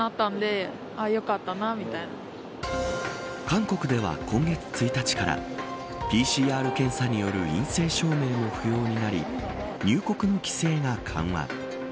韓国では、今月１日からＰＣＲ検査による陰性証明は不要になり入国の規制が緩和。